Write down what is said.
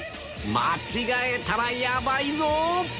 間違えたらヤバいぞ！